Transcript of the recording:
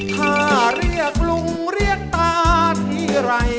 ถ้าเรียกลุงเรียกตาทีไร